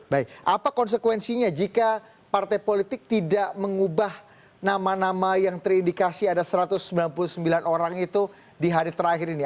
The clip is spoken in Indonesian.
baik apa konsekuensinya jika partai politik tidak mengubah nama nama yang terindikasi ada satu ratus sembilan puluh sembilan orang itu di hari terakhir ini